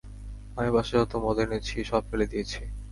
আমি বাসায় যত মদ এনেছি সব ফেলে দিয়েছি।